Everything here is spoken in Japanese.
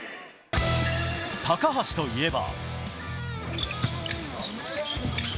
高橋といえば。